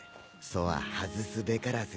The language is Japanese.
そは外すべからず。